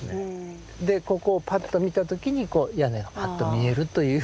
でここをパッと見た時に屋根がパッと見えるというふうな。